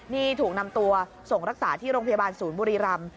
นี่ถูกนำตัวส่งรักษาที่โรงพยาบาลศูนย์บุรีรำ